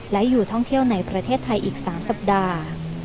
และอยู่ท่องเที่ยวในประเทศไทยอีก๓สัปดาห์